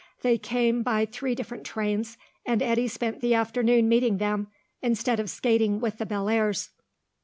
They came by three different trains, and Eddy spent the afternoon meeting them, instead of skating with the Bellairs.